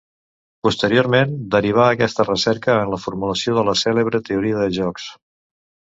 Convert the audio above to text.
Posteriorment, derivà aquesta recerca en la formulació de la cèlebre teoria de jocs.